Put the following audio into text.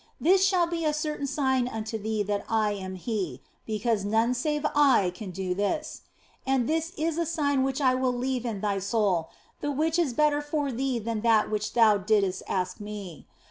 This shall be a certain sign unto thee that I am He, because none save I can do this. And this is a sign which I will leave in thy soul, the which is better for thee than that which thou didst ask of Me.